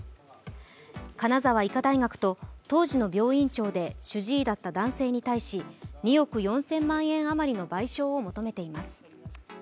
金沢医科大学と当時の病院長で主治医だった男性に対し、２億４０００万円余りの賠償を求めています。